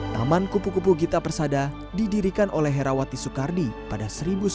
taman kupu kupu gita persada didirikan oleh herawati soekardi pada seribu sembilan ratus sembilan puluh